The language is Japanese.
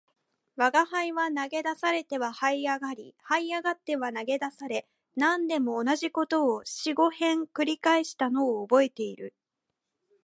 吾輩は投げ出されては這い上り、這い上っては投げ出され、何でも同じ事を四五遍繰り返したのを記憶している